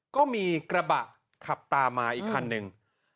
ก็มีกระบะขับตามมาอีกคันหนึ่ง